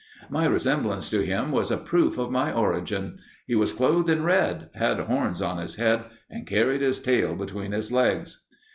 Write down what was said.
My resemblance to him was a proof of my origin. He was clothed in red had horns on his head and carried his tail between his legs.